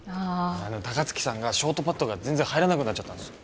ああ高槻さんがショートパットが全然入らなくなっちゃったんすよ